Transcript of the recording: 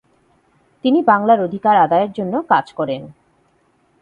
তিনি বাংলার অধিকার আদায়ের জন্য কাজ করেন।